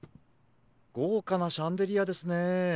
ごうかなシャンデリアですねえ。